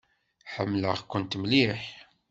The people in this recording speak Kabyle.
Ḥemmleɣ-kent mliḥ.